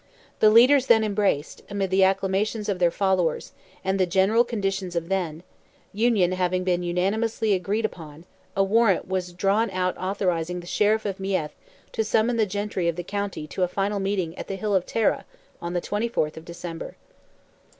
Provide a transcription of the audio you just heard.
The leaders then embraced, amid the acclamations of their followers, and the general conditions of their union having been unanimously agreed upon, a warrant was drawn out authorizing the Sheriff of Meath to summon the gentry of the county to a final meeting at the Hill of Tara on the 24th of December.